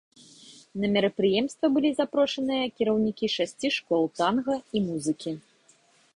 На мерапрыемства былі запрошаныя кіраўнікі шасці школ танга і музыкі.